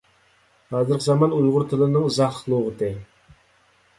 ھازىرقى زامان ئۇيغۇر تىلىنىڭ ئىزاھلىق لۇغىتى